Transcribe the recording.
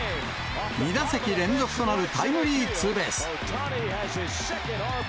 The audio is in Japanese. ２打席連続となるタイムリーツーベース。